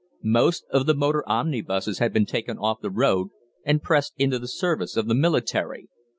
Most of the motor omnibuses had been taken off the road and pressed into the service of the military.